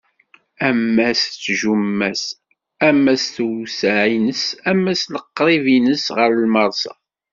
Ama s tjumma-s, ama s tewseɛ-ines, ama s leqrib-ines ɣer lmersa.